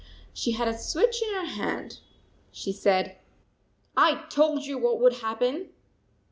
She had a switch in her hand. She said: " I told you what would happen